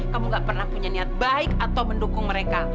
kamu gak pernah punya niat baik atau mendukung mereka